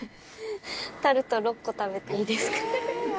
タルト６個食べていいですか？